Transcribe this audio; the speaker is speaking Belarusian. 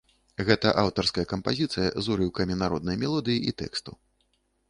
Гэта аўтарская кампазіцыя з урыўкамі народнай мелодыі і тэксту.